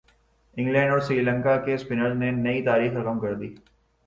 England اور سری لنکا کے spinners نے نئی تاریخ رقم کر دی